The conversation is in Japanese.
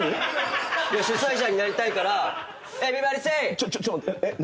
ちょっちょっちょっと待って。